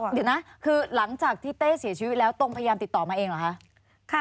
เดี๋ยวนะคือหลังจากที่เต้เสียชีวิตแล้วตรงพยายามติดต่อมาเองเหรอคะ